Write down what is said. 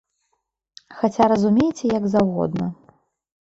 Хаця разумейце як заўгодна.